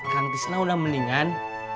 kang tisna udah mendingan